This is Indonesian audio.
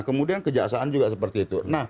kemudian kejaksaan juga seperti itu